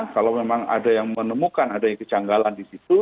kalau memang ada yang menemukan adanya kejanggalan di situ